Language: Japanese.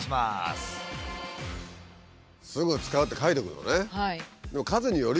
「すぐ使う」って書いておくのね。